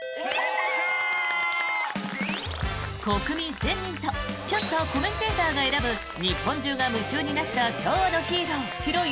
国民１０００人とキャスターコメンテーターが選ぶ日本中が夢中になった昭和のヒーロー・ヒロイン